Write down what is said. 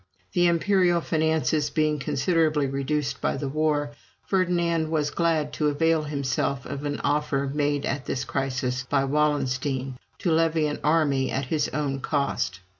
The imperial finances being considerably reduced by the war, Ferdinand was glad to avail himself of an offer made at this crisis by Wallenstein, to levy an army at his own cost.